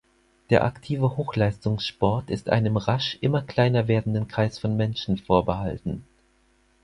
Der aktive Hochleistungssport ist einem rasch immer kleiner werdenden Kreis von Menschen vorbehalten.